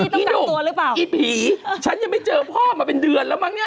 พี่หนุ่มพี่ผีฉันยังไม่เจอพ่อมาเป็นเดือนแล้วมั้งเนี่ย